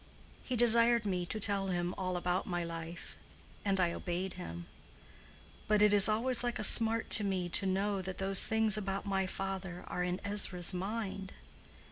He desired me to tell him all about my life, and I obeyed him. But it is always like a smart to me to know that those things about my father are in Ezra's mind.